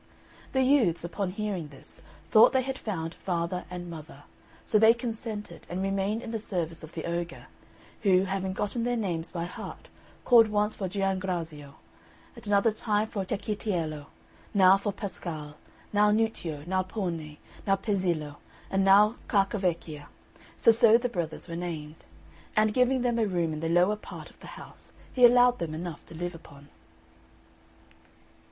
The youths, upon hearing this, thought they had found father and mother; so they consented, and remained in the service of the ogre, who, having gotten their names by heart, called once for Giangrazio, at another time for Cecchitiello, now for Pascale, now Nuccio, now Pone, now Pezzillo, and now Carcavecchia, for so the brothers were named; and giving them a room in the lower part of the house, he allowed them enough to live upon.